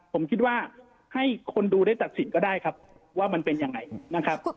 ผมคิดว่าให้คนดูได้ตัดสินก็ได้ครับว่ามันเป็นยังไงนะครับ